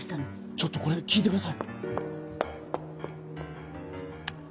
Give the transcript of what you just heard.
ちょっとこれ聞いてください。